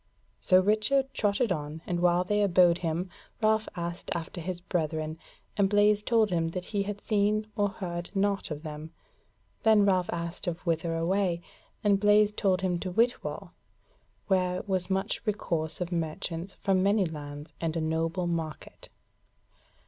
So Richard trotted on, and while they abode him, Ralph asked after his brethren, and Blaise told him that he had seen or heard naught of them. Then Ralph asked of whither away, and Blaise told him to Whitwall, where was much recourse of merchants from many lands, and a noble market.